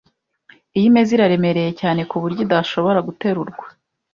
Iyi meza iraremereye cyane. ku buryo idashobora guterurwa .